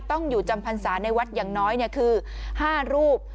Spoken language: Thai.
ต้องอยู่จำพรรษาในวัดอย่างน้อยคือ๕รูป